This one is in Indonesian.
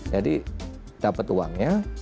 jadi dapat uangnya